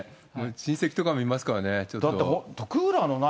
親戚とかもいますからね。